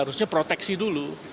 harusnya proteksi dulu